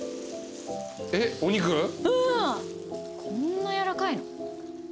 こんなやわらかいの？